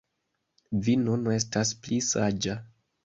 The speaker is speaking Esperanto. Vi nun estas pli saĝa